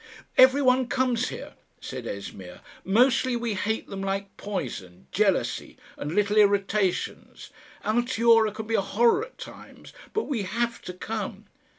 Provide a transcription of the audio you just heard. "Every one comes here," said Esmeer. "Mostly we hate them like poison jealousy and little irritations Altiora can be a horror at times but we HAVE to come."